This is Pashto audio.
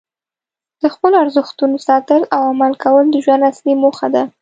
د خپلو ارزښتونو ساتل او عمل کول د ژوند اصلي موخه ده.